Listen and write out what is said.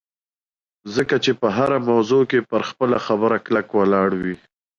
ځکه چې په هره موضوع کې پر خپله خبره کلک ولاړ وي